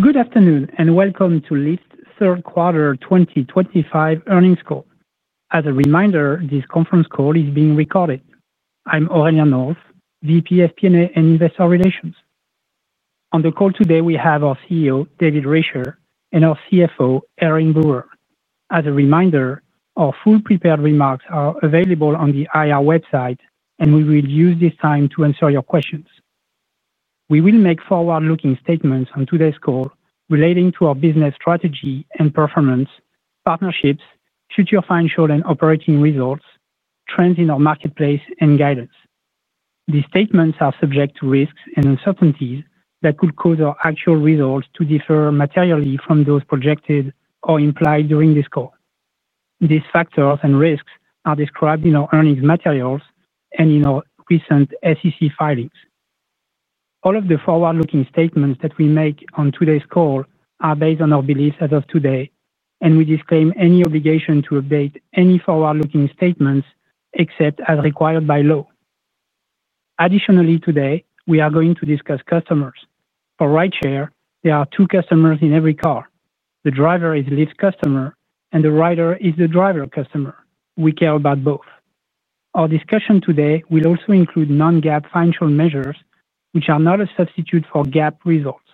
Good afternoon and welcome to Lyft third quarter 2025 earnings call. As a reminder, this conference call is being recorded. I'm Aurelia North, VP of Public Affairs and Investor Relations. On the call today we have our CEO David Risher and our CFO Erin Brewer. As a reminder, our full prepared remarks are available on the IR website and we will use this time to answer your questions. We will make forward looking statements on today's call relating to our business strategy and performance partnerships, future financial and operating results, trends in our marketplace and guidance. These statements are subject to risks and uncertainties that could cause our actual results to differ materially from those projected or implied during this call. These factors and risks are described in our earnings materials and in our recent SEC filings. All of the forward looking statements that we make on today's call are based on our beliefs as of today and we disclaim any obligation to update any forward looking statements except as required by law. Additionally, today we are going to discuss customers for RapidShare. There are two customers in every car. The driver is Lyft customer and the rider is the driver customer. We care about both. Our discussion today will also include non-GAAP financial measures which are not a substitute for GAAP results.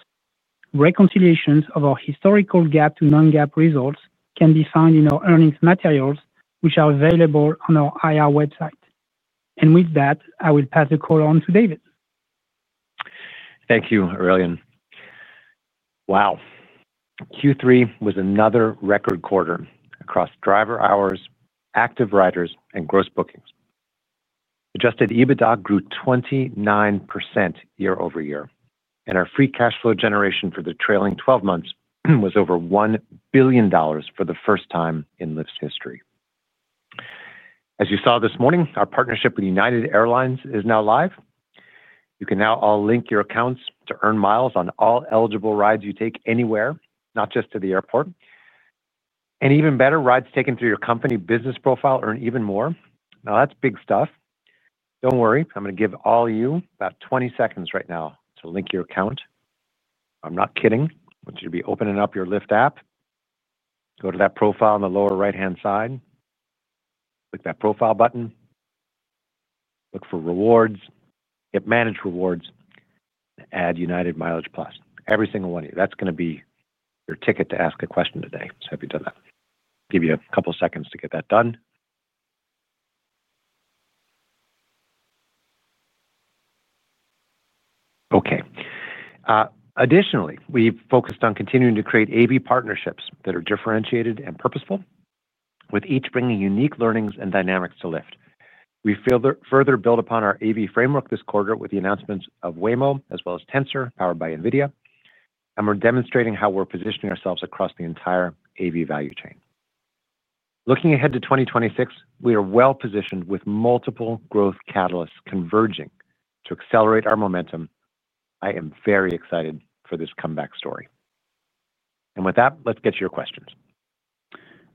Reconciliations of our historical GAAP to non-GAAP results can be found in our earnings materials which are available on our IR website. With that I will pass the call on to David. Thank you, Aurelien. Wow. Q3 was another record quarter. Across driver hours, active riders, and gross bookings, adjusted EBITDA grew 29% year-over-year and our free cash flow generation for the trailing 12 months was over $1 billion for the first time in Lyft's history. As you saw this morning, our partnership with United Airlines is now live. You can now all link your accounts to earn miles on all eligible rides you take anywhere, not just to the airport. Even better, rides taken through your company business profile earn even more. Now, that's big stuff. Don't worry. I'm going to give all you about 20 seconds right now to link your account. I'm not kidding. Would you be opening up your Lyft app? Go to that profile in the lower right hand side, click that profile button. Look for rewards, hit Manage Rewards. Add United MileagePlus every single one of you. That's going to be your ticket to ask a question today. If you've done that, give you a couple seconds to get that done, okay? Additionally, we focused on continuing to create AV partnerships that are differentiated and purposeful, with each bringing unique learnings and dynamics to Lyft. We further build upon our AV framework this quarter with the announcements of Waymo as well as Tensor powered by NVIDIA. We are demonstrating how we're positioning ourselves across the entire AV value chain. Looking ahead to 2026, we are well positioned with multiple growth catalysts converging to accelerate our momentum. I am very excited for this comeback story. With that, let's get to your questions.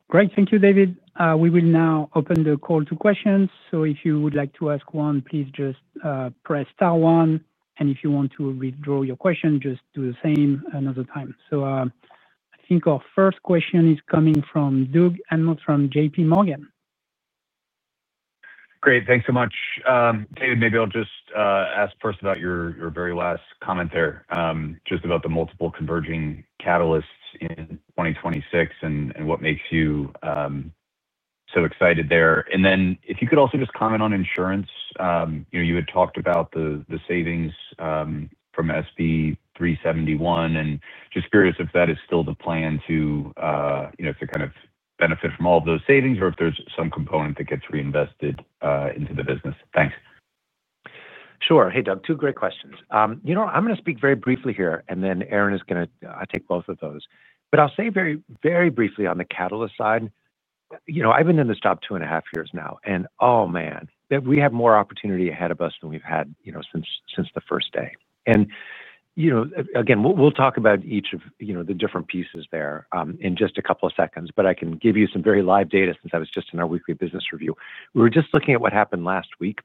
Great. Thank you, David. We will now open the call to questions. If you would like to ask one, please just press star one. If you want to withdraw your question, just do the same another time. I think our first question is coming from Doug Anmuth from JPMorgan. Great. Thanks so much, David. Maybe I'll just ask first about your very last comment there. Just about the multiple converging catalysts in 2026 and what makes you so excited there. If you could also just comment on insurance. You know, you had talked about the savings from SB371 and just curious if that is still the plan to, you know, to kind of benefit from all of those savings or if there's some component that gets reinvested into the business. Thanks. Sure. Hey, Doug, two great questions. You know, I'm going to speak very briefly here and then Erin is going to take both of those. I'll say very, very briefly on the catalyst side, you know, I've been in this job two and a half years now and oh man, we have more opportunity ahead of us than we've had, you know, since the first day. You know, again, we'll talk about each of the different pieces there in just a couple of seconds. I can give you some very live data. Since I was just in our weekly business review, we were just looking at what happened last week.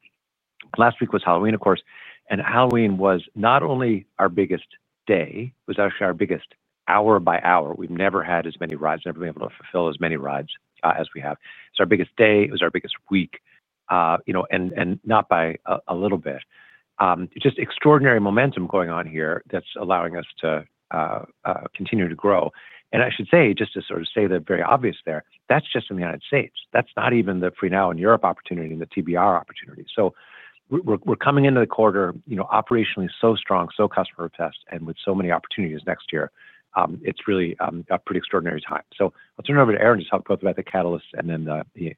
Last week was Halloween, of course, and Halloween was not only our biggest day, it was actually our biggest hour by hour. We've never had as many rides, never been able to fulfill as many rides as we have. It's our biggest day. It was our biggest week, you know, and not by a little bit. Just extraordinary momentum going on here that's allowing us to continue to grow. I should say just to sort of say that very obvious there, that's just in the United States. That's not even the Freenow in Europe opportunity, in the TBR opportunity. We're coming into the quarter, you know, operationally so strong, so customer test and with so many opportunities next year, it's really a pretty extraordinary time. I'll turn it over to Erin to talk about the catalyst and then the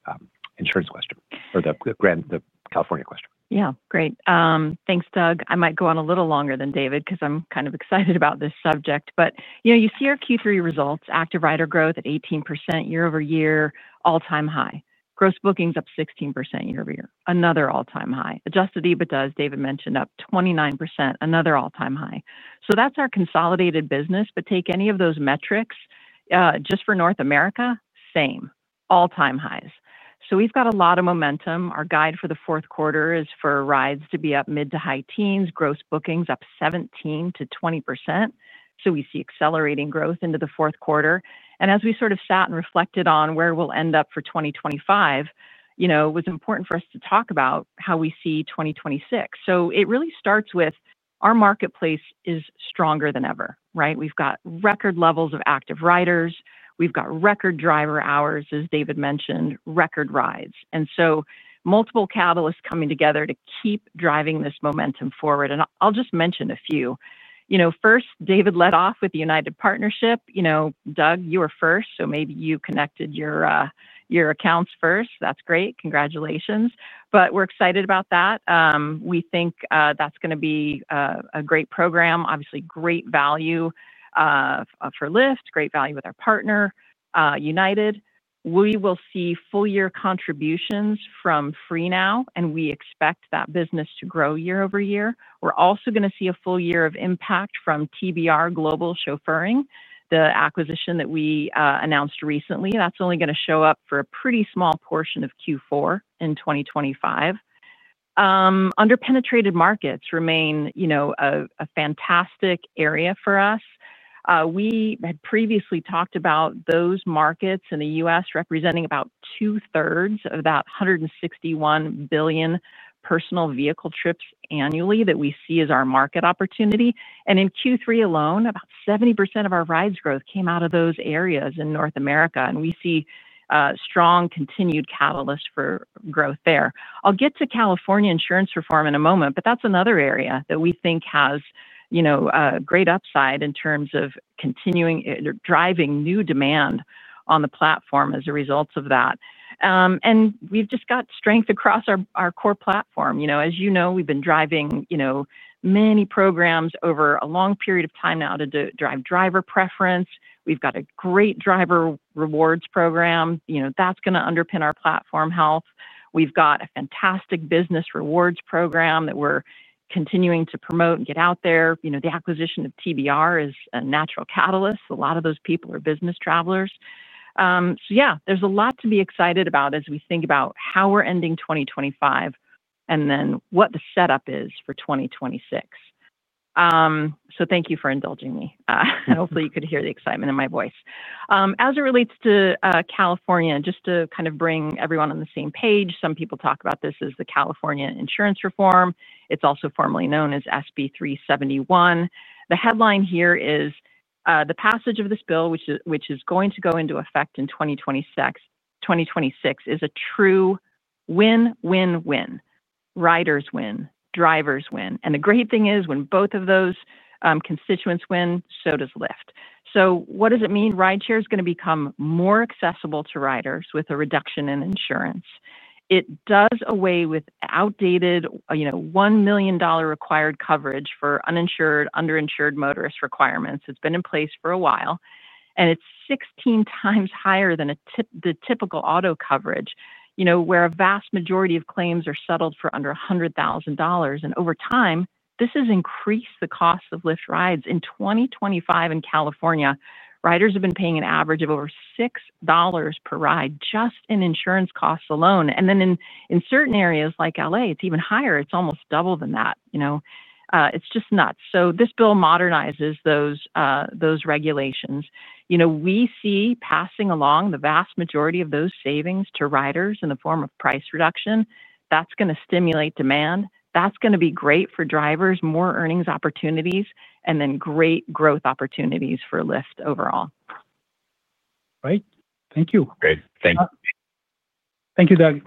insurance question or the California question. Yeah, great. Thanks, Doug. I might go on a little longer than David because I'm kind of excited about this subject. But, you know, you see our Q3 results. Active Rider growth at 18% year-over-year, all time high. Gross bookings up 16% year-over-year, another all time high. Adjusted EBITDA as David mentioned, up 29%. Another all time high. So that's our consolidated business. But take any of those metrics just for North America. Same all time highs. So we've got a lot of momentum. Our guide for the fourth quarter is for rides to be up mid to high teens. Gross bookings up 17%-20%. So we see accelerating growth into the fourth quarter. And as we sort of sat and reflected on where we'll end up for 2025, you know, was important for us to talk about how we see 2026. It really starts with our marketplace is stronger than ever, right? We've got record levels of active riders. We've got record driver hours, as David mentioned, record rides. Multiple catalysts coming together to keep driving this momentum forward. I'll just mention a few. You know, first David let off with the United partnership. You know, Doug, you were first, so maybe you connected your accounts first. That's great. Congratulations. We're excited about that. We think that's going to be a great program. Obviously great value for Lyft, value with our partner United. We will see full year contributions from Freenow and we expect that business to grow year-over-year. We're also going to see a full year of impact from TBR Global chauffeuring, the acquisition that we announced recently. That's only going to show up for a pretty small portion of Q4 in 2025. Underpenetrated markets remain a fantastic area for us. We had previously talked about those markets in the U.S. representing about 2/3 of that $161 billion personal vehicle trips annually that we see as our market opportunity. In Q3 alone, about 70% of our rides growth came out of those areas in North America. We see strong continued catalyst for growth there. I'll get to California insurance reform in a moment. That's another area that we think has great upside in terms of continuing driving new demand on the platform as a result of that. We've just got strength across our core platform. You know, as you know, we've been driving, you know, many programs over a long period of time now to drive driver preference. We've got a great Driver Rewards program, you know, that's going to underpin our platform health. We've got a fantastic Business Rewards program that we're continuing to promote and get out there. You know, the acquisition of TBR is a natural catalyst. A lot of those people are business travelers. Yeah, there's a lot to be excited about as we think about how we're ending 2025 and then what the setup is for 2026. Thank you for indulging me and hopefully you could hear the excitement in my voice as it relates to California just to kind of bring everyone on the same page. Some people talk about this as the California insurance reform. It's also formerly known as SB371. The headline here is the passage of this bill, which is going to go into effect in 2026, is a true win, win, win. Riders win, drivers win. The great thing is when both of those constituents win, so does Lyft. What does it mean? Rideshare is going to become more accessible to riders with a reduction in insurance. It does away with outdated $1 million required coverage for uninsured underinsured motorist requirements. It's been in place for a while and it's 16x higher than the typical auto coverage, you know, where a vast majority of claims are settled for under $100,000. Over time, this has increased the cost of Lyft rides. In 2025 in California, riders have been paying an average of over $6 per ride just in insurance costs alone. In certain areas like Los Angeles, it's even higher. It's almost double that. You know, it's just nuts. This bill modernizes those regulations. You know, we see passing along majority of those savings to riders in the form of price reduction. That's going to stimulate demand, that's going to be great for drivers, more earnings opportunities, and then great growth opportunities for Lyft overall. Right. Thank you. Thank you, Doug.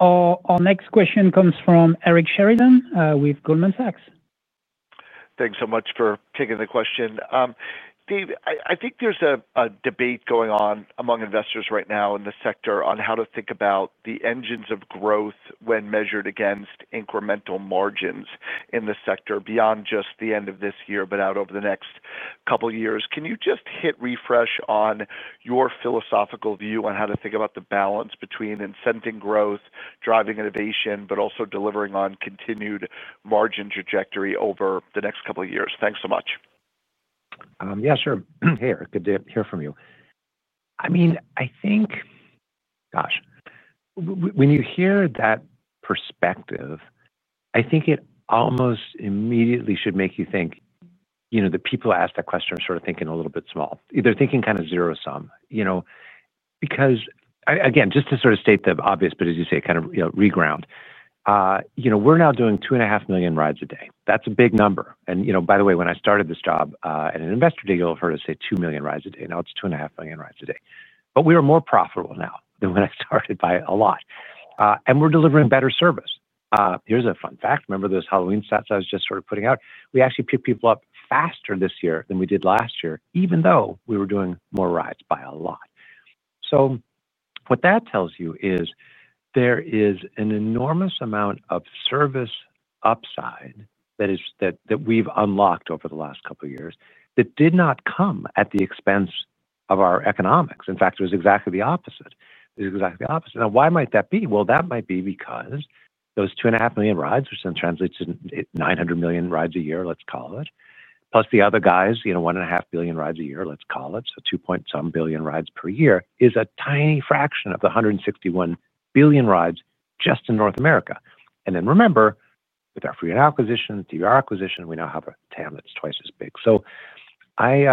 Our next question comes from Eric Sheridan with Goldman Sachs. Thanks so much for taking the question, Dave. I think there's a debate going on among investors right now in the sector on how to think about the engines of growth when measured against incremental margins in the sector beyond just the end of this year, but out over the next couple of years. Can you just hit refresh on your philosophical view on how to think about the balance between incenting growth driving innovation, but also delivering on continued margin trajectory over the next couple of years? Thanks so much. Yeah. Sure. Hey Eric, good to hear from you. I mean, I think, gosh, when you hear that perspective, I think it almost immediately should make you think, you know, the people ask that question are sort of thinking a little bit small. They're thinking kind of zero sum, you know, because again, just to sort of state the obvious, but as you say, kind of reground, you know, we're now doing two and a half million rides a day. That's a big number. And you know, by the way, when I started this job at an investor day, you'll have heard us say two million rides a day. Now it's two and a half million rides a day. We are more profitable now than when I started by a lot. And we're delivering better service. Here's a fun fact. Remember those Halloween stats I was just sort of putting out? We actually picked people up faster this year than we did last year, even though we were doing more rides by a lot. What that tells you is there is an enormous amount of service upside that we've unlocked over the last couple of years. That did not come at the expense of our economics. In fact, it was exactly the opposite. Now, why might that be? That might be because those two and a half million rides, which then translates to 900 million rides a year, let's call it, plus the other guy's one and a half billion rides a year, let's call it. Two point some billion rides per year is a tiny fraction of the 161 billion rides just in North America. Remember, with our Freenow acquisition, TBR acquisition, we now have a TAM that's twice as big. I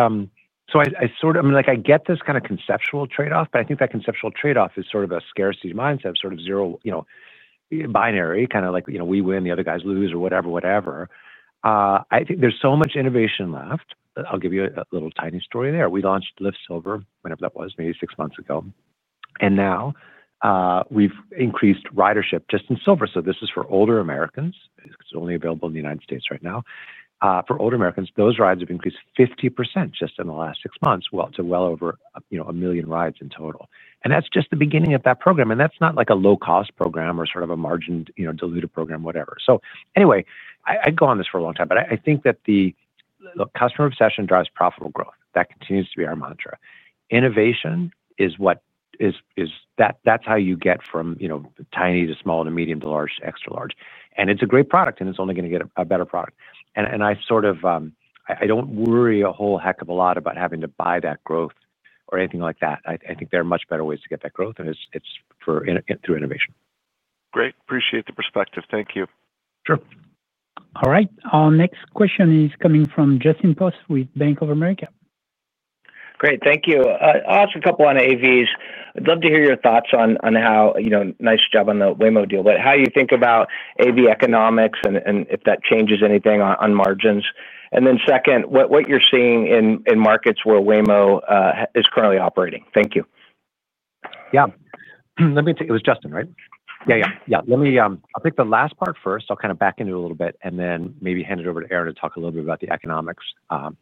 sort of, I mean like I get this kind of conceptual trade off, but I think that conceptual trade off is sort of a scarcity mindset, sort of zero, you know, binary kind of like, you know, we win, the other guys lose or whatever, whatever. I think there's so much innovation left. I'll give you a little tiny story there. We launched Lyft Silver whenever that was maybe six months ago. Now we've increased ridership just in Silver. This is for older Americans. It's only available in the United States right now. For older Americans, those rides have increased 50% just in the last six months to well over a million rides in total. That's just the beginning of that program. That's not like a low cost program or sort of a margin diluted program, whatever. Anyway, I'd go on this for a long time, but I think that the customer obsession drives profitable growth. That continues to be our mantra. Innovation is what is, is that that's how you get from, you know, tiny to small to medium to large, extra large. And it's a great product and it's only going to get a better product. And I sort of, I don't worry a whole heck of a lot about having to buy that growth or anything like that. I think there are much better ways to get that growth and it's for. Through innovation. Great. Appreciate the perspective. Thank you. Sure. All right, our next question is coming from Justin Post with Bank of America. Great, thank you. Also a couple on AVs. I'd love to hear your thoughts on how, you know, nice job on the Waymo deal, but how you think about AV economics and if that changes anything on margins. And then second, what you're seeing in markets where Waymo is currently operating. Thank you. Yeah, let me take it. Was Justin right? Yeah, yeah, yeah. Let me, I'll pick the last part first. I'll kind of back into a little bit and then maybe hand it over to Erin to talk a little bit about the economics of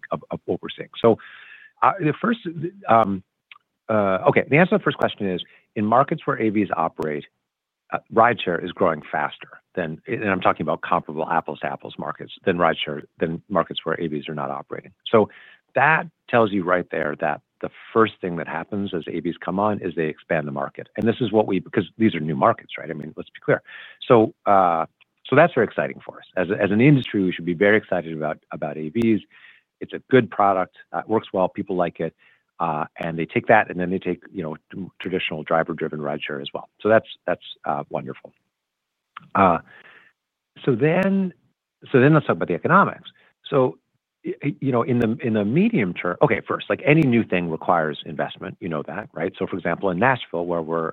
overseas. So the first, okay, the answer to the first question is in markets where AVs operate, rideshare is growing faster than, and I'm talking about comparable apples to apples markets, than rideshare than markets where AVs are not operating. That tells you right there that the first thing that happens as AVs come on is they expand the market. This is what we, because these are new markets. Right. I mean, let's be clear. That's very exciting for us as an industry. We should be very excited about EVs. It's a good product, works well, people like it and they take that. Then they take, you know, traditional driver driven rideshare as well. That's wonderful. Then let's talk about the economics. You know, in the medium term. Okay. First, like any new thing requires investment. You know that. Right. For example, in Nashville where we're,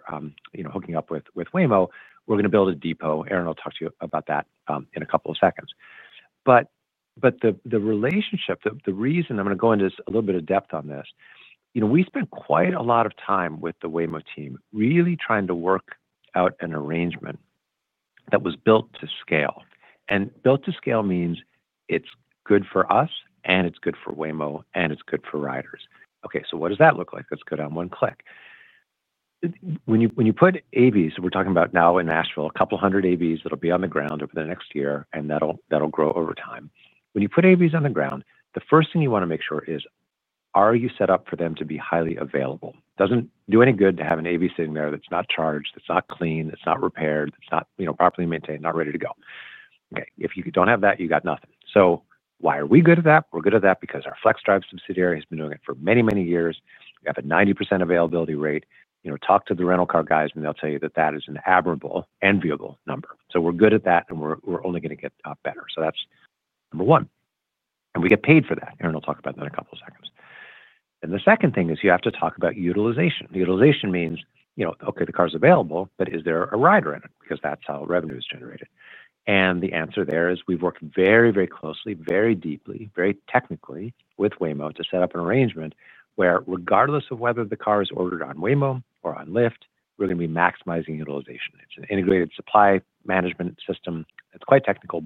you know, hooking up with Waymo, we're going to build a depot. Erin will talk to you about that in a couple of seconds. The relationship, the reason I'm going to go into a little bit of depth on this, you know, we spent quite a lot of time with the Waymo team really trying to work out an arrangement that was built to scale. And built to scale means it's good for us and it's good for Waymo and it's good for riders. Okay, so what does that look like? Let's go down one click. When you put AVs, we're talking about now in Nashville, a couple hundred AVs that'll be on the ground over the next year, and that'll grow over time. When you put AVs on the ground, the first thing you want to make sure is, are you set up for them to be highly available? Doesn't do any good to have an AV sitting there that's not charged, it's not clean, it's not repaired, it's not properly maintained, not ready to go. If you don't have that, you got nothing. Why are we good at that? We're good at that because our Flexdrive subsidiary has been doing it for many, many years at a 90% availability rate. You know, talk to the rental car guys and they'll tell you that that is an admirable, enviable number. We're good at that, and we're only going to get better. That's number one, and we get paid for that. Erin will talk about that in a couple of seconds. The second thing is, you have to talk about utilization. Utilization means, you know, okay, the car's available, but is there a rider in it? Because that's how revenue is generated. The answer there is, we've worked very, very closely, very deeply, very technically with Waymo to set up an arrangement where, regardless of whether the car is ordered on Waymo or on Lyft, we're going to be maximizing utilization. It's an integrated supply management system that's quite technical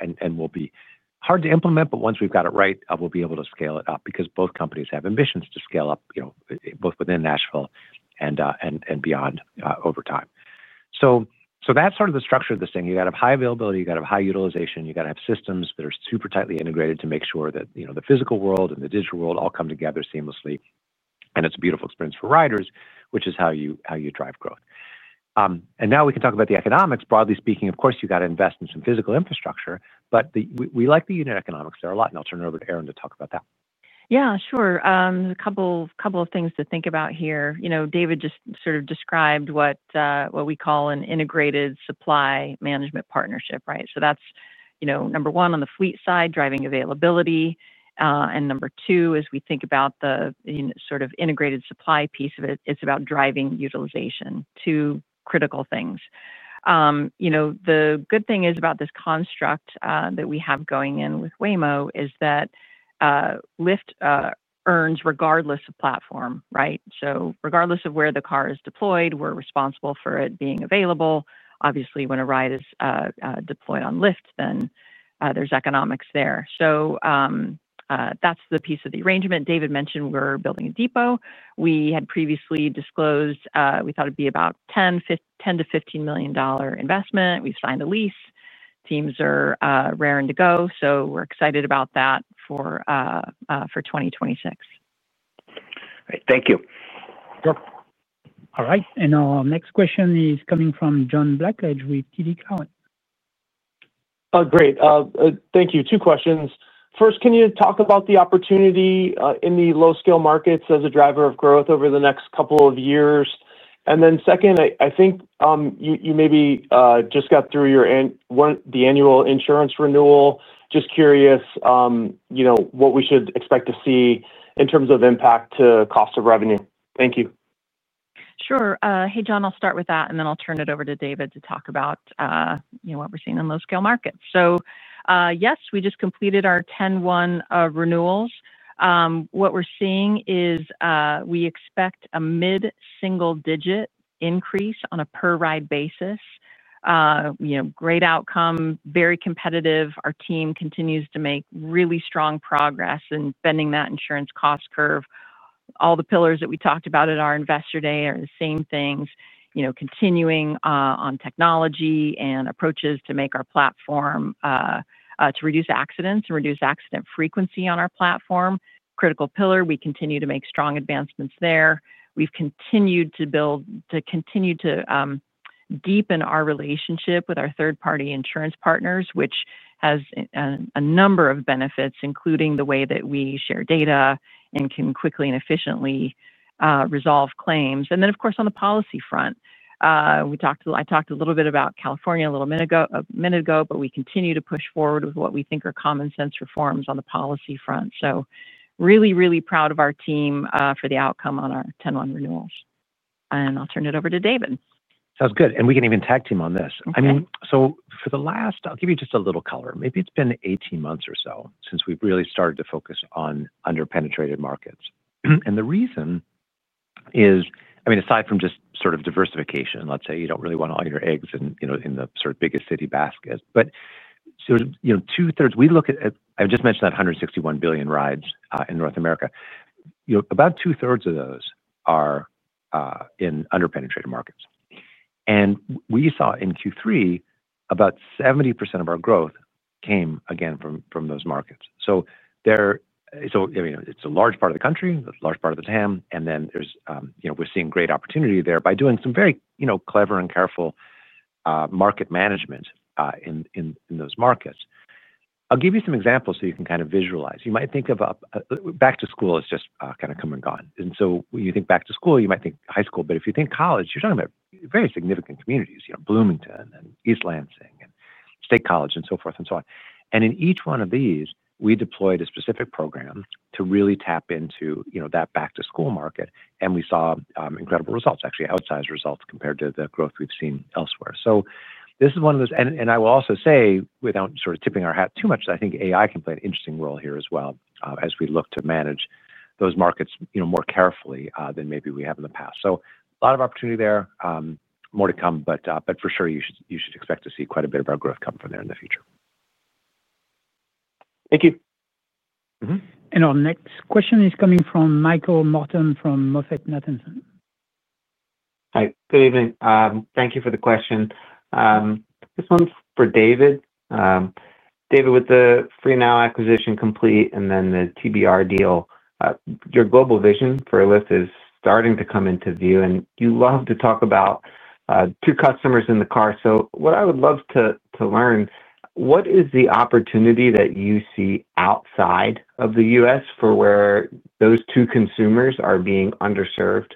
and will be hard to implement. Once we've got it right, we'll be able to scale it up, because both companies have ambitions to scale up, both within Nashville and beyond over time. That is sort of the structure of this thing. You got a high availability, you got a high utilization, you got to have systems that are super tightly integrated to make sure that the physical world and the digital world all come together seamlessly. It's a beautiful experience for riders, which is how you drive growth. Now we can talk about the economics. Broadly speaking, of course, you got to invest in some physical infrastructure, but we like the unit economics there a lot. I'll turn it over to Erin to talk about that. Yeah, sure. A couple of things to think about here. David just sort of described what we call an integrated supply management partnership. Right. That is, number one on the fleet side, driving availability, and number two, as we think about the sort of integrated supply piece of it, it is about driving utilization. Two critical things. You know, the good thing about this construct that we have going in with Waymo is that Lyft earns regardless of platform. Right. Regardless of where the car is deployed, we are responsible for it being available. Obviously, when a ride is deployed on Lyft, then there is economics there. That is the piece of the arrangement David mentioned. We are building a depot we had previously disclosed we thought it would be about $10 million-$15 million investment. We signed a lease, teams are raring to go. We're excited about that for 2026. Thank you. All right, and our next question is coming from John Blackledge with TD Cowen. Great, thank you. Two questions. First, can you talk about the opportunity in the low scale markets as a driver of growth over the next couple of years? Then second, I think you maybe just got through your, the annual insurance renewal. Just curious, you know, what we should expect to see in terms of impact to cost of revenue. Thank you. Sure. Hey John, I'll start with that and then I'll turn it over to David to talk about what we're seeing in low scale markets. Yes, we just completed our 101 renewals. What we're seeing is we expect a mid single digit increase on a per ride basis. Great outcome, very competitive. Our team continues to make really strong progress in bending that insurance cost curve. All the pillars that we talked about at our investor day are the same things. You know, continuing on technology and approaches to make our platform to reduce accidents and reduce accident frequency. On our platform critical pillar, we continue to make strong advancements there. We've continued to build, to continue to deepen our relationship with our third party insurance partners which has a number of benefits including the way that we share data and, and can quickly and efficiently resolve claims. Of course on the policy front, we talked, I talked a little bit about California a little minute ago. We continue to push forward with what we think are common sense reforms on the policy front. Really, really proud of our team for the outcome on our 101 renewals. I'll turn it over to David. Sounds good. We can even tag team on this. I mean, for the last, I'll give you just a little color. Maybe it's been 18 months or so since we've really started to focus on underpenetrated markets. The reason is, aside from just sort of diversification, let's say you don't really want all your eggs in the sort of biggest city basket. 2/3, we look at, I just mentioned that 161 billion rides in North America. About 2/3 of those are in underpenetrated markets. We saw in Q3, about 70% of our growth came again from those markets. There, it's a large part of the country, large part of the TAM, and we're seeing great opportunity there by doing some very clever and careful market management in those markets. I'll give you some examples. You can kind of visualize, you might think of back to school as just kind of come and gone. When you think back to school, you might think high school, but if you think college, you're talking about very significant communities, you know, Bloomington and East Lansing and State College and so forth and so on. In each one of these, we deployed a specific program to really tap into, you know, that back to school market. We saw incredible results, actually outsized results compared to the growth we've seen elsewhere. This is one of those. I will also say, without sort of tipping our hat too much, I think AI can play an interesting role here as well as we look to manage those markets, you know, more carefully than maybe we have in the past. A lot of opportunity there, more to come. For sure you should expect to see quite a bit of our growth come from there in the future. Thank you. Our next question is coming from Michael Morton from MoffettNathanson. Hi, good evening. Thank you for the question. This one's for David. David, with the Freenow acquisition complete and then the TBR deal, your global vision for Lyft is starting to come into view. You love to talk about two customers in the car. What I would love to learn is what is the opportunity that you see outside of the US for where those two consumers are being underserved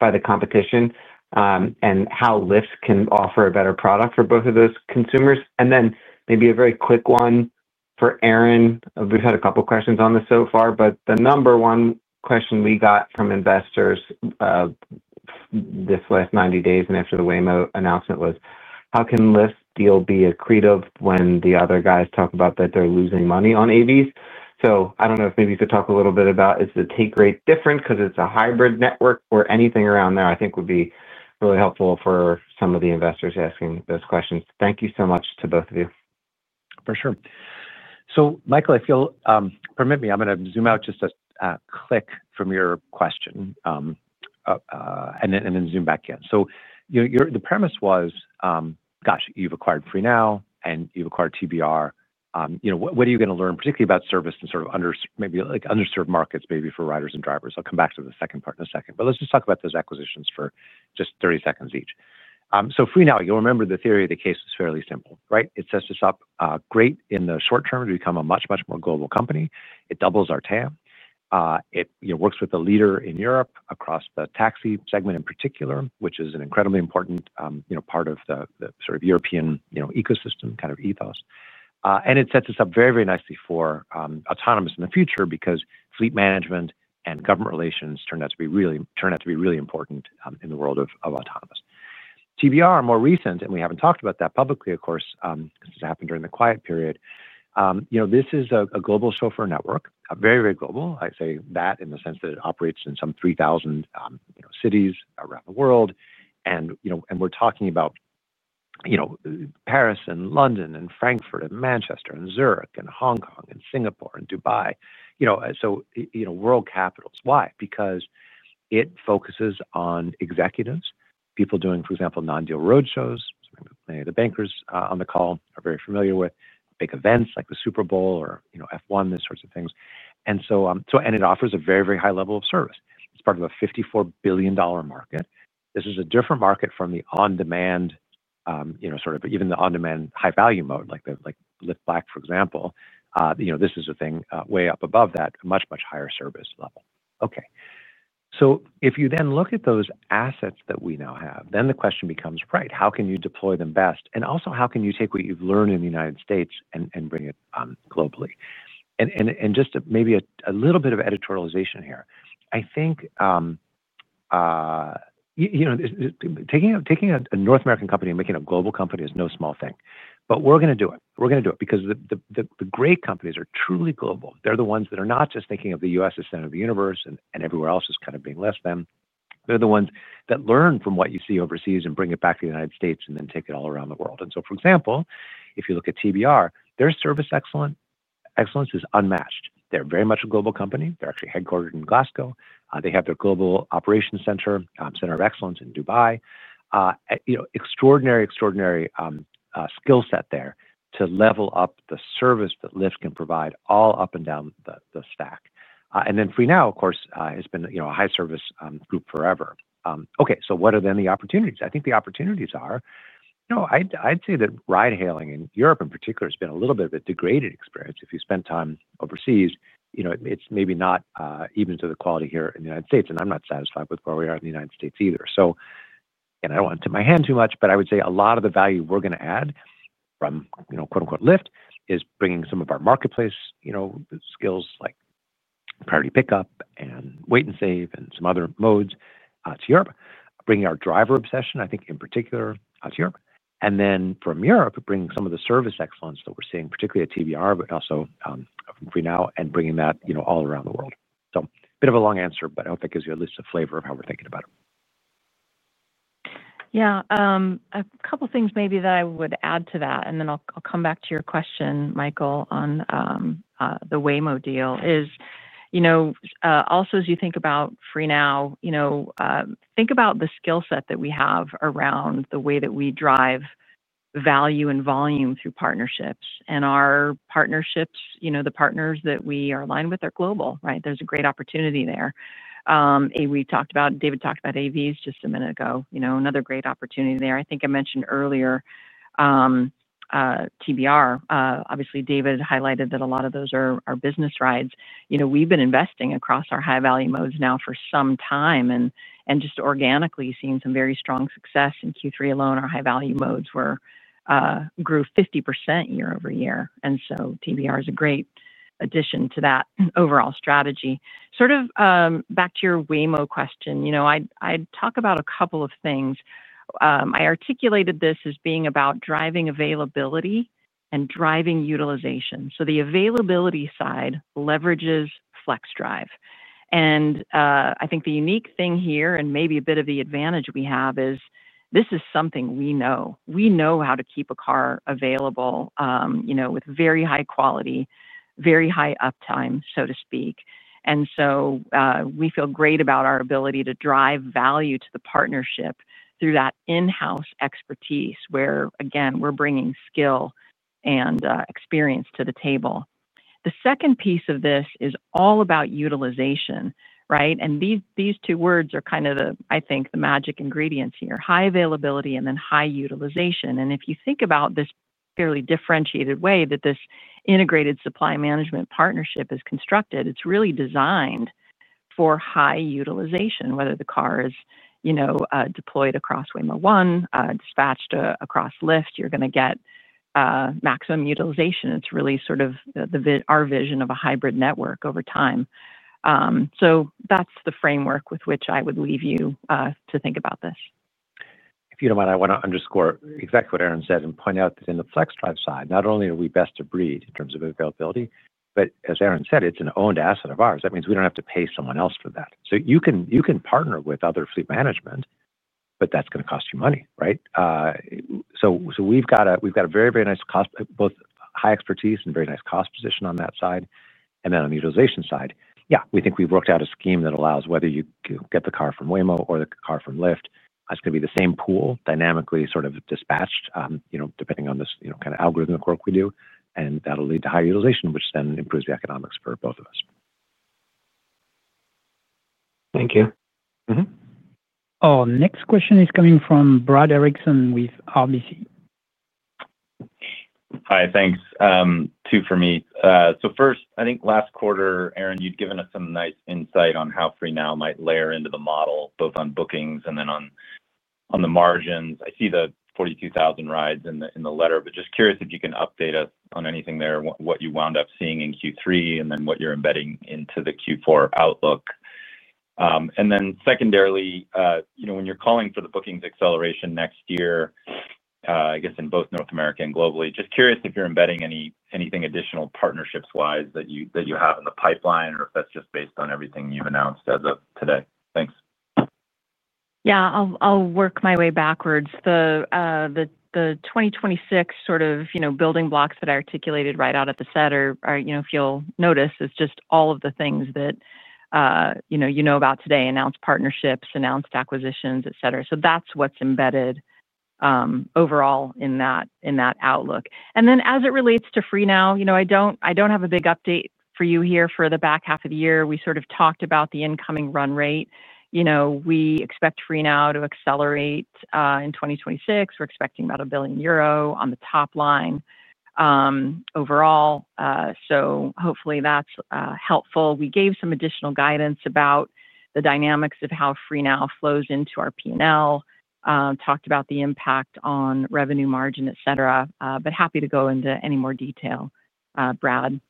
by the competition and how Lyft can offer a better product for both of those consumers. Maybe a very quick one for Erin. We've had a couple questions on this so far, but the number one question we got from investors this last 90 days and after the Waymo announcement was how can Lyft's deal be accretive when the other guys talk about that they're losing money on AVs? I don't know if maybe you could talk a little bit about is the take rate different because it's a hybrid network or anything around there? I think would be really helpful for some of the investors asking those questions. Thank you so much to both of you, for sure. Michael, if you'll permit me, I'm going to zoom out just a click from your question and then zoom back in. The premise was, gosh, you've acquired Freenow and you've acquired TBR. You know, what are you going to learn particularly about service and sort of under, maybe like underserved markets, maybe for riders and drivers. I'll come back to the second part in a second, but let's just talk about those acquisitions for just 30 seconds each. Freenow, you'll remember the theory of the case is fairly simple, right? It sets us up great in the short term to become a much, much more global company. It doubles our TAM. It works with a leader in Europe across the taxi segment in particular, which is an incredibly important part of the sort of European ecosystem kind of ethos. It sets us up very, very nicely for autonomous in the future because fleet management and government relations turned out to be really important in the world of autonomous TBR. More recent, and we have not talked about that publicly, of course, this happened during the quiet period. This is a global chauffeur network, very, very global. I say that in the sense that it operates in some 3,000 cities around the world. We are talking about Paris and London and Frankfurt and Manchester and Zurich and Hong Kong, in Singapore and Dubai, you know, so, you know, world capitals. Why? Because it focuses on executives, people doing, for example, non-deal roadshows. Many of the bankers on the call are very familiar with big events like the Super Bowl or, you know, F1, this sorts of things. It offers a very, very high level of service. It's part of a $54 billion market. This is a different market from the on-demand, you know, sort of even the on-demand high-value mode like Lyft Black, for example, you know, this is a thing way up above that, much, much higher service level. Okay, if you then look at those assets that we now have, then the question becomes, right, how can you deploy them best? Also, how can you take what you've learned in the United States and bring it globally? Just maybe a little bit of editorialization here. I think, you know, taking a North American company and making a global company is no small thing. But we're going to do it. We're going to do it because the great companies are truly global. They're the ones that are not just thinking of the U.S. as center of the universe and everywhere else is kind of being less than. They're the ones that learn from what you see overseas and bring it back to the United States and then take it all around the world. For example, if you look at TBR, their service excellence is unmatched. They're very much a global company. They're actually headquartered in Glasgow. They have their global operations center, center of excellence in Dubai. Extraordinary, extraordinary skill set there to level up the service that Lyft can provide all up and down the stack. Freenow, of course, has been a high service group forever. Okay, what are then the opportunities? I think the opportunities are, I'd say that ride hailing in Europe in particular has been a little bit of a degraded experience if you spend time overseas. You know, it's maybe not even to the quality here in the United States. I'm not satisfied with where we are in the United States either, so. I do not want to tip my hand too much, but I would say a lot of the value we are going to add from, you know, quote unquote, Lyft is bringing some of our marketplace, you know, skills like Priority Pickup and Wait and Save and some other modes to Europe, bringing our driver obsession, I think, in particular out to Europe and then from Europe, bringing some of the service excellence that we are seeing, particularly at TBR, but also Freenow and bringing that all around the world. Bit of a long answer, but I hope that gives you at least a flavor of how we are thinking about it. Yeah, a couple things maybe that I would add to that and then I'll come back to your question. Michael, on the Waymo deal is, you know, also as you think about Freenow, you know, think about the skill set that we have around the way that we drive value and volume through partnerships and our partnerships, you know, the partners that we are aligned with are global. Right. There's a great opportunity there. We talked about, David talked about AVs just a minute ago. You know, another great opportunity there. I think I mentioned earlier, TBR, obviously, David highlighted that a lot of those are business rides. You know, we've been investing across our high value modes now for some time and just organically seems to some very strong success. In Q3 alone, our high value modes grew 50% year-over-year. TBR is a great addition to that overall strategy. Sort of. Back to your Waymo question. I talk about a couple of things. I articulated this as being about driving availability and driving utilization. The availability side leverages Flexdrive. I think the unique thing here and maybe a bit of the advantage we have is this is something we know, we know how to keep a car available, you know, with very high quality, very high uptime, so to speak. We feel great about our ability to drive value to the partnership through that in-house expertise, where again we are bringing skill and experience to the table. The second piece of this is all about utilization, right? These two words are kind of the, I think the magic ingredients here. High availability and then high utilization. If you think about this fairly differentiated way that this integrated supply management partnership is constructed, it's really designed for high utilization. Whether the car is, you know, deployed across Waymo 1, dispatched across Lyft, you're going to get maximum utilization. It's really sort of the, our vision of a hybrid network over time. That is the framework with which I would leave you to think about this. If you do not mind, I want to underscore exactly what Erin said and point out that in the Flexdrive side, not only are we best of breed in terms of availability, but as Erin said, it is an owned asset of ours. That means we do not have to pay someone else for that. You can partner with other fleet management, but that is going to cost you money, right? We have got a very, very nice cost, both high expertise and very nice cost position on that side. On the utilization side, yeah, we think we have worked out a scheme that allows whether you get the car from Waymo or the car from Lyft, it is going to be the same pool dynamically sort of dispatched, you know, depending on this, you know, kind of algorithmic work we do. That'll lead to higher utilization, which then improves the economics for both of us. Thank you. Oh, next question is coming from Brad Erickson with RBC. Hi, thanks. Two for me. First, I think last quarter, Erin, you'd given us some nice insight on how Freenow might layer into the model both on bookings and then on the margins. I see the 42,000 rides in the letter, but just curious if you can update us on anything there, what you wound up seeing in Q3 and then what you're embedding into the Q4 outlook, and then secondarily, when you're calling for the bookings acceleration next year, I guess, in both North America and globally. Just curious if you're embedding any, anything additional partnerships wise that you have in the pipeline or if that's just based on everything you've announced as of today. Thanks. Yeah, I'll work my way backwards. The 2026 sort of, you know, building blocks that I articulated right out at the center, you know, if you'll notice. It's just all of the things that, you know, you know about today, announced partnerships, announced acquisitions, et cetera. That's what's embedded overall in that outlook. As it relates to Freenow, I don't have a big update for you here. For the back half of the year, we sort of talked about the incoming run rate. We expect Freenow to accelerate in 2026. We're expecting about 1 billion euro on the top line overall. Hopefully that's helpful. We gave some additional guidance about the dynamics of how Freenow flows into our P&L, talked about the impact on revenue margin, et cetera. Happy to go into any more detail. Brad,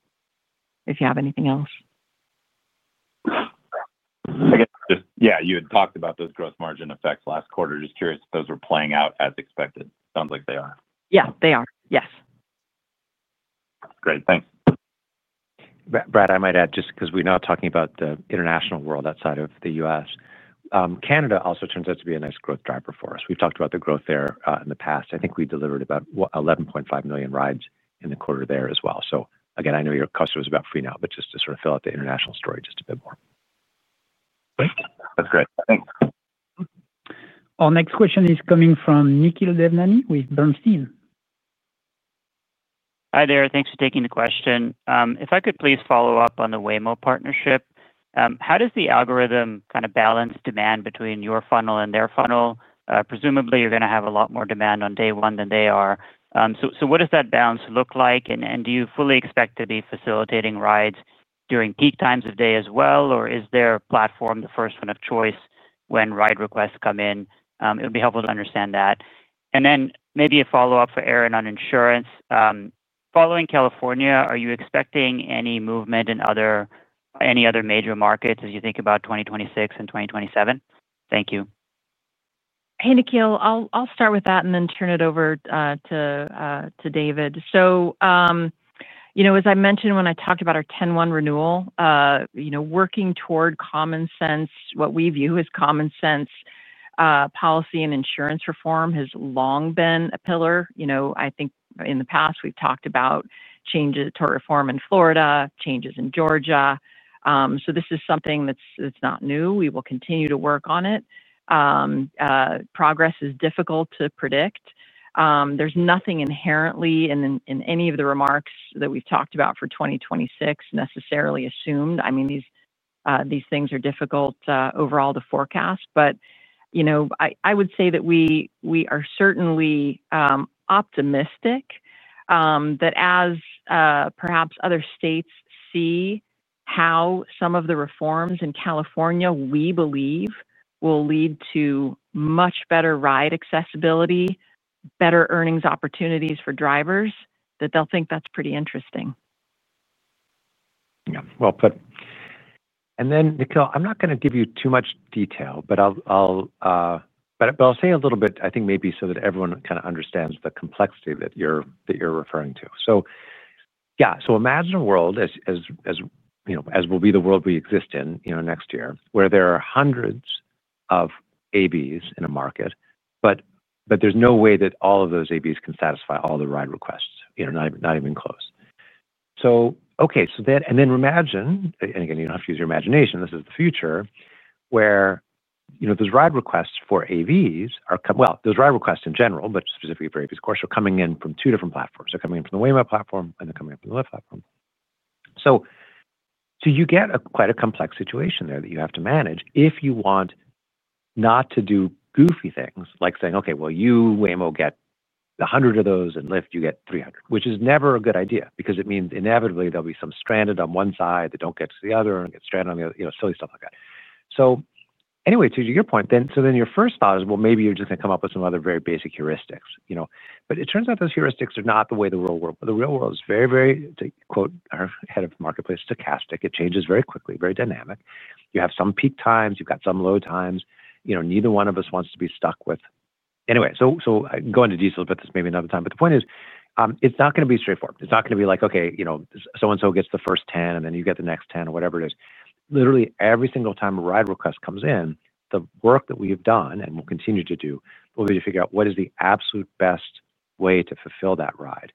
if you have anything else. Yeah, you had talked about those gross margin effects last quarter. Just curious if those are playing out as expected. Sounds like they are. Yeah, they are. Yes. Great. Thanks, Brad. I might add, just because we're now talking about the international world outside of the U.S., Canada also turns out to be a nice growth driver for us. We've talked about the growth there in the past. I think we delivered about 11.5 million rides in the quarter there as well. Again, I know your question is about Freenow, but just to sort of fill out the international story just a bit more. That's great, thanks. Our next question is coming from Nikhil Devnani with Bernstein. Hi there. Thanks for taking the question. If I could please follow up on the Waymo partnership. How does the algorithm kind of balance demand between your funnel and their funnel? Presumably you're going to have a lot more demand on day one than they are. What does that balance look like? Do you fully expect to be facilitating rides during peak times of day as well, or is their platform the first one of choice when ride requests come in? It'll be helpful to understand that and then maybe a follow up for Erin on insurance following California. Are you expecting any movement in any other major markets as you think about 2026 and 2027? Thank you. Hey, Nikhil, I'll start with that and then turn it over to David. As I mentioned when I talked about our 101 renewal, working toward common sense, what we view as common sense policy and insurance reform has long been a pillar. I think in the past we've talked about changes to reform in Florida, changes in Georgia. This is something that's not new. We will continue to work on it. Progress is difficult to predict. There's nothing inherently in any of the remarks that we've talked about for 2026 necessarily assumed. I mean, these things are difficult overall to forecast. I would say that we are certainly optimistic that as perhaps other states see how some of the reforms in California, we believe, will lead to much better ride accessibility, better earnings opportunities for drivers, that they'll think that's pretty interesting. Yeah, well put. Nikhil, I'm not going to give you too much detail, but I'll say a little bit, I think maybe so that everyone kind of understands the complexity that you're referring to. Yeah, imagine a world, as will be the world we exist in next year, where there are hundreds of AVs in a market, but there's no way that all of those AVs can satisfy all the ride requests. Not even close. Okay, then imagine, and again, you don't have to use your imagination, this is the future where, you know, those ride requests for AVs are—well, those ride requests in general, but specifically for AVs of course—are coming in from two different platforms. They're coming in from the Waymo platform and they're coming up from the Lyft platform. You get quite a complex situation there that you have to manage if you want not to do goofy things like saying, okay, well, Waymo gets 100 of those and Lyft, you get 300, which is never a good idea because it means inevitably there will be some stranded on one side that do not get to the other and get stranded on the other. You know, silly stuff like that. Anyway, to your point, then your first thought is, maybe you are just going to come up with some other very basic heuristics, you know. It turns out those heuristics are not the way the world, the real world is very, very, to quote our Head of Marketplace, stochastic. It changes very quickly, very dynamic. You have some peak times, you've got some low times, you know, neither one of us wants to be stuck with anyway. Go into detail about this maybe another time. The point is, it's not going to be straightforward. It's not going to be like, okay, you know, so and so gets the first 10, and then you get the next 10, or whatever. It is literally every single time a ride request comes in. The work that we have done and will continue to do will be to figure out what is the absolute best way to fulfill that ride.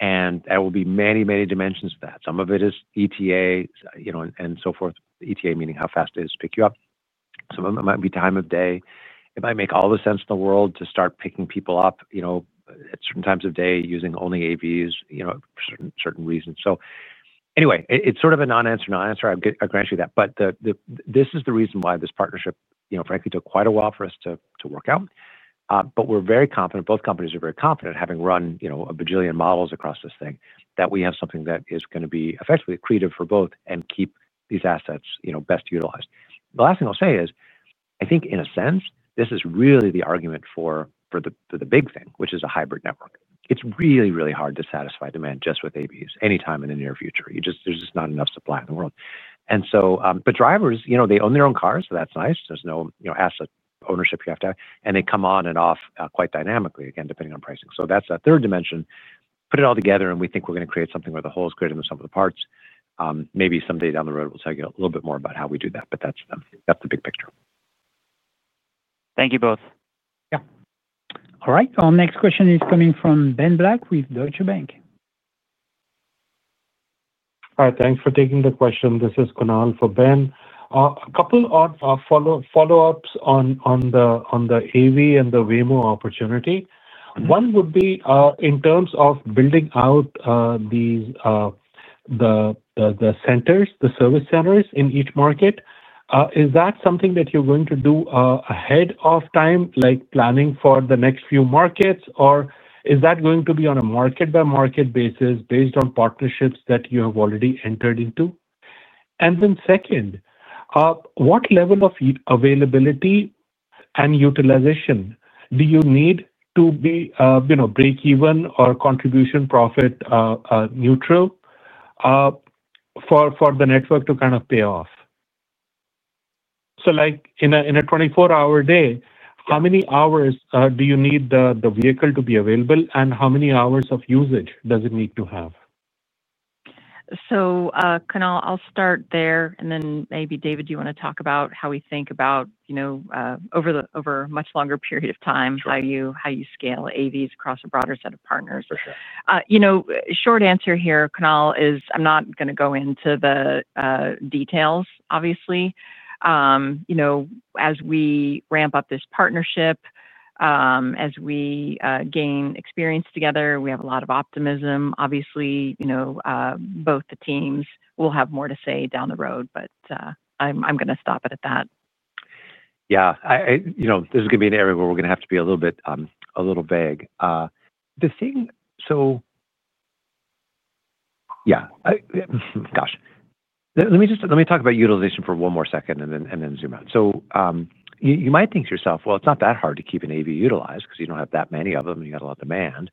There will be many, many dimensions to that. Some of it is ETA, you know, and so forth. ETA meaning how fast it is to pick you up. Some of them might be time of day. It might make all the sense in the world to start picking people up at certain times of day using only AVs for certain reasons. Anyway, it's sort of a non answer, non answer, I grant you that. This is the reason why this partnership, frankly, took quite a while for us to work out. We're very confident, both companies are very confident having run a bajillion models across this thing that we have something that is going to be effectively accretive for both and keep these assets best utilized. The last thing I'll say is, I think in a sense this is really the argument for the big thing, which is a hybrid network. It's really, really hard to satisfy demand just with AVs anytime in the near future. There's just not enough supply in the world. Drivers, they own their own cars, so that's nice. There's no asset ownership. You have to. They come on and off quite dynamically again depending on pricing. That's a third dimension. Put it all together and we think we're going to create something where the whole is greater than the sum of the parts. Maybe someday down the road we'll tell you a little bit more about how we do that. That's the big picture. Thank you both. Yeah. All right, our next question is coming from Ben Black with Deutsche Bank. Hi, thanks for taking the question. This is Kunal for Ben. A couple follow ups on the AV and the Waymo opportunity. One would be in terms of building out the centers, the service centers in each market. Is that something that you're going to do ahead of time, like planning for the next few markets, or is that going to be on a market by market basis based on partnerships that you have already entered into? Then second, what level of availability and utilization do you need to be, you know, break even or contribution profit neutral for the network to kind of pay off? Like in a 24 hour day. How many hours do you need the vehicle to be available, and how many hours of usage does it need to have? Kunal, I'll start there and then maybe David, do you want to talk about how we think about, you know, over a much longer period of time, how you scale AVs across a broader set of partners? Short answer here, Kunal, is I'm not going to go into the details. Obviously, you know, as we ramp up this partnership, as we gain experience together, we have a lot of optimism. Obviously, you know, both the teams will have more to say down the road, but I'm going to stop it at that. Yeah, you know, this is going to be an area where we're going to have to be a little bit, a little vague the thing. Yeah, gosh, let me just, let me talk about utilization for one more second and then zoom out. You might think to yourself, well, it's not that hard to keep an AV utilized because you don't have that many of them. You got a lot of demand.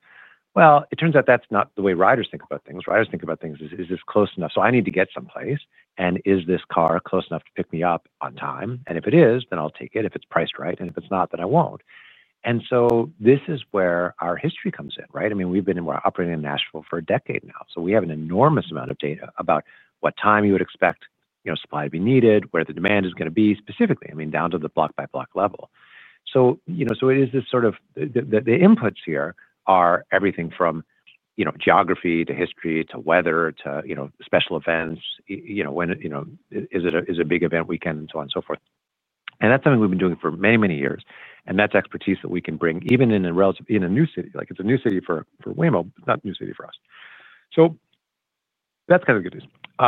It turns out that's not the way riders think about things. Right. I just think about things. Is this close enough so I need to get someplace and is this car close enough to pick me up on time? If it is, then I'll take it if it's priced right. If it's not then I won't. This is where our history comes in. Right. I mean, we've been operating in Nashville for a decade now. We have an enormous amount of data about what time you would expect, you know, supply to be needed, where the demand is going to be specifically. I mean, down to the block-by-block level. You know, the inputs here are everything from geography to history to weather to special events, is it a big event weekend and so on and so forth. That is something we've been doing for many, many years. That is expertise that we can bring even in a new city. Like, it is a new city for Waymo, but not a new city for us. That is kind of good news. You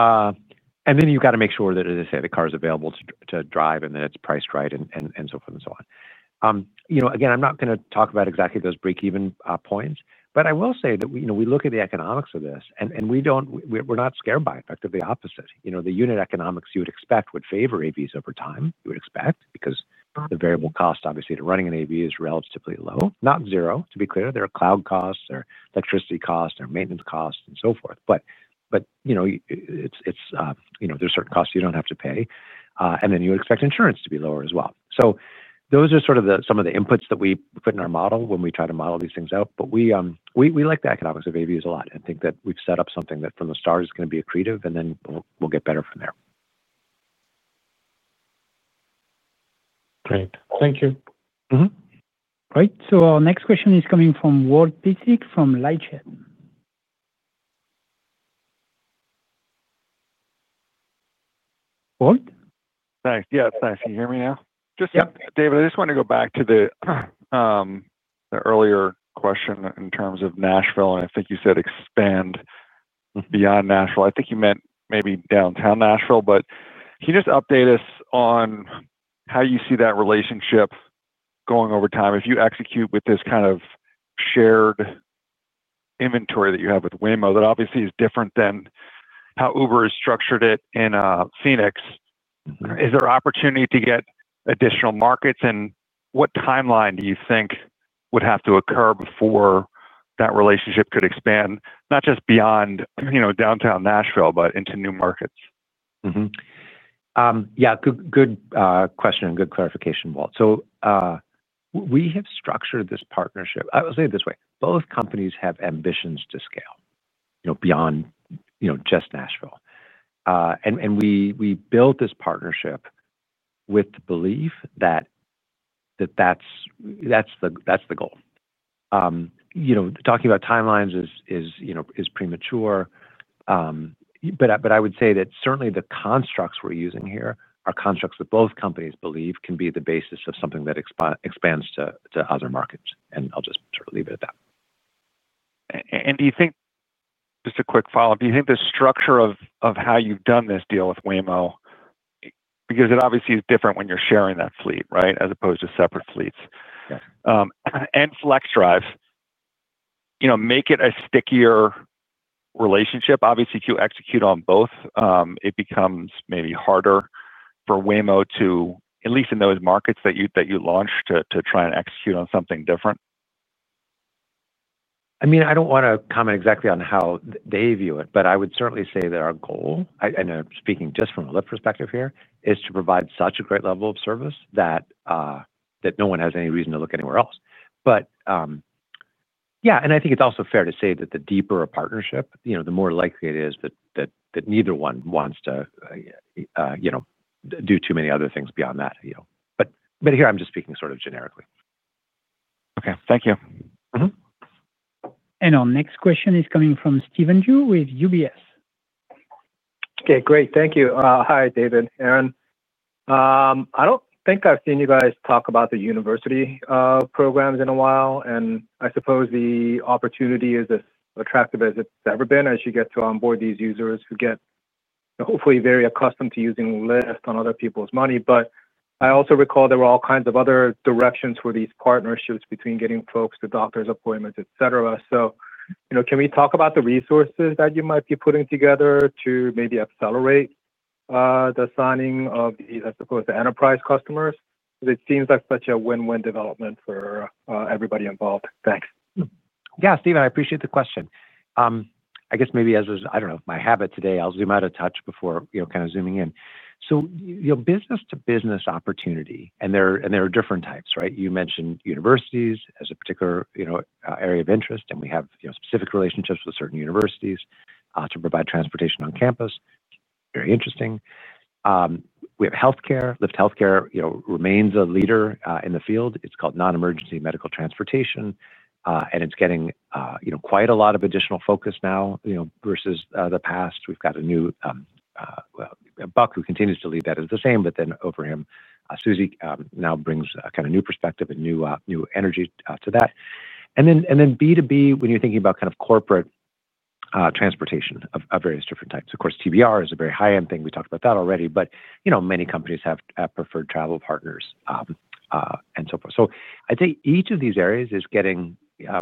have to make sure that as I say, the car is available to drive and then it is priced right and so on. You know, again, I am not going to talk about exactly those break even points, but I will say that we look at the economics of this and we do not, we are not scared by, effectively opposite, you know, the unit economics you would expect would favor AVs over time. You would expect because the variable cost obviously to running an AV is relatively low, not zero. To be clear, there are cloud costs or electricity costs or maintenance costs and so forth. But you know, it is, you know, there are certain costs you do not have to pay and then you expect insurance to be lower as well. Those are sort of some of the inputs that we put in our model when we try to model these things out. We like the economics of AVs a lot and think that we've set up something that from the start is going to be accretive and then we'll get better from there. Great. Thank you. Great. Our next question is coming from Walt Piecyk from LightShed. Thanks. Yeah, it's nice. Can you hear me now, David? I just want to go back to the earlier question in terms of Nashville, and I think you said expand beyond Nashville. I think you meant maybe downtown Nashville. Can you just update us on how you see that relationship going over time? If you execute with this kind of shared inventory that you have with Waymo, that obviously is different than how Uber has structured it in Phoenix. Is there opportunity to get additional markets and what timeline do you think would have to occur before that relationship could expand not just beyond, you know, downtown Nashville, but into new markets? Good question and good clarification, Walt. We have structured this partnership. I'll say it this way, both companies have ambitions to scale beyond just Nashville. We built this partnership with the belief that's the goal. Talking about timelines is premature, but I would say that certainly the constructs we're using here are constructs that both companies believe can be the basis of something that expands to other markets. I'll just sort of leave it at that. Do you think, just a quick follow-up, do you think the structure of how you've done this deal with Waymo, because it obviously is different when you're sharing that fleet, right, as opposed to separate fleets and Flexdrive, makes it a stickier relationship? Obviously, if you execute on both, it becomes maybe harder for Waymo to, at least in those markets that you launch, to try and execute on something different. I mean, I do not want to comment exactly on how they view it, but I would certainly say that our goal, and speaking just from a Lyft perspective here, is to provide such a great level of service that no one has any reason to look anywhere else. But. Yeah, I think it's also fair to say that the deeper a partnership, you know, the more likely it is that neither one wants to, you know, do too many other things beyond that, you know, but here I'm just speaking sort of generically. Okay, thank you. Our next question is coming from Stephen Ju with UBS. Okay, great. Thank you. Hi, David. Erin. I do not think I have seen you guys talk about the university programs in a while, and I suppose the opportunity is as attractive as it has ever been as you get to onboard these users who get hopefully very accustomed to using Lyft on other people's money. I also recall there were all kinds of other directions for these partnerships between getting folks to doctors' appointments, et cetera. You know, can we talk about the resources that you might be putting together to maybe accelerate the signing of, I suppose, the enterprise customers? It seems like such a win-win development for everybody involved. Thanks. Yeah, Stephen, I appreciate the question. I guess maybe as is, I do not know, my habit today, I will zoom out a touch before kind of zooming in. Business-to-business opportunity, and there are different types, right? You mentioned universities as a particular area of interest and we have specific relationships with certain universities to provide transportation on campus. Very interesting. We have Lyft Health. Healthcare remains a leader in the field. It's called non emergency medical transportation. And it's getting, you know, quite a lot of additional focus now, you know, versus the past. We've got a new buck who continues to lead that is the same but then over him Susie now brings a kind of new perspective and new new energy to that. And then, and then B2B when you're thinking about kind of corporate transportation of various different types. Of course TBR is a very high end thing. We talked about that already. But you know, many companies have preferred travel partners and so forth. I think each of these areas is getting, you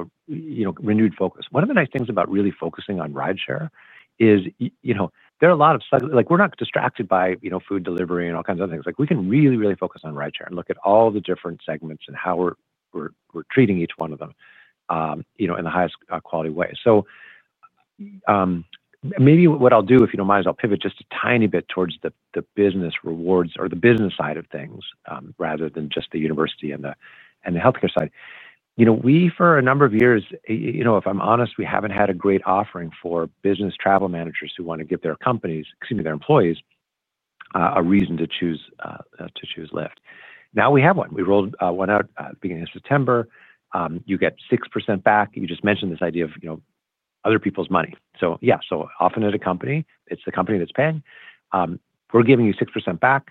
know, renewed focus. One of the nice things about really focusing on rideshare is, you know, there are a lot of, like, we're not distracted by, you know, food delivery and all kinds of things. Like, we can really, really focus on rideshare and look at all the different segments and how we're treating each one of them, you know, in the highest quality way. Maybe what I'll do, if you don't mind, I'll pivot just a tiny bit towards the business rewards or the business side of things rather than just the university and the healthcare side. You know, for a number of years, you know, if I'm honest, we haven't had a great offering for business travel managers who want to give their companies, excuse me, their employees a reason to choose Lyft. Now we have one, we rolled one out beginning of September. You get 6% back. You just mentioned this idea of, you know, other people's money. So yeah. So often at a company it's the company that's paying. We're giving you 6% back.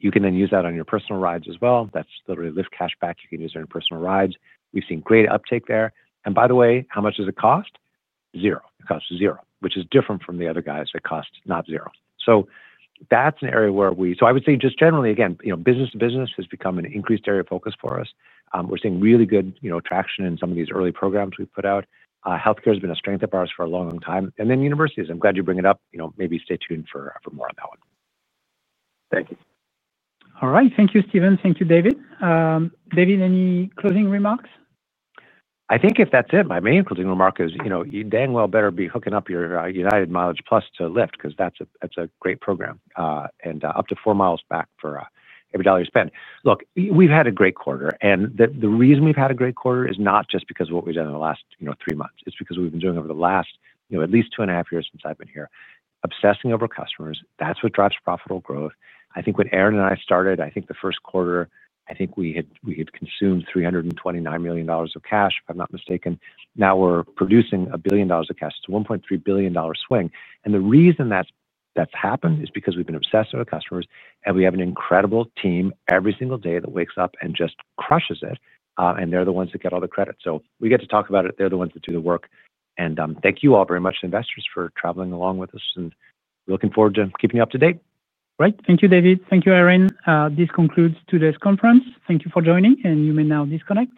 You can then use that on your personal rides as well. That's literally Lyft cash back. You can use their personal rides. We've seen great uptake there. And by the way, how much does it cost? Zero. Cost zero. Which is different from the other guys that cost not zero. That's an area where we, so I would say just generally, again, you know, business to business has become an increased area of focus for us. We're seeing really good, you know, traction in some of these early programs we put out. Healthcare has been a strength of ours for a long time, and then universities. I'm glad you bring it up. You know, maybe stay tuned for more on that one. Thank you. All right. Thank you, Stephen. Thank you, David. David, any closing remarks? I think if that's it, my main closing remark is, you know, you dang well better be hooking up your United MileagePlus to Lyft because that's a, that's a great program. And up to four miles back for every dollar you spend. Look, we've had a great quarter. The reason we've had a great quarter is not just because of what we've done in the, you know, three months. It's because we've been doing over the last, at least two and a half years since I've been here, obsessing over customers. That's what drives profitable growth. I think when Erin and I started, I think the first quarter, I think we had consumed $329 million of cash. If I'm not mistaken, now we're producing a billion dollars of cash. It's a $1.3 billion swing. The reason that's happened is because we've been obsessed with our customers and we have an incredible team every single day that wakes up and just crushes it. They're the ones that get all the credit, so we get to talk about it. They're the ones that do the work. Thank you all very much, investors, for traveling along with us and looking forward to keeping you up to date. Right. Thank you, David. Thank you, Erin. This concludes today's conference. Thank you for joining. You may now disconnect.